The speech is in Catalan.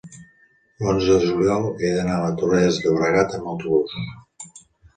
l'onze de juliol he d'anar a Torrelles de Llobregat amb autobús.